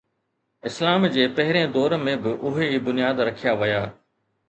اسلام جي پهرين دور ۾ به اهي ئي بنياد رکيا ويا.